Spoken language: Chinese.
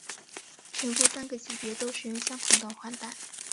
全部三个级别都使用相同的绶带。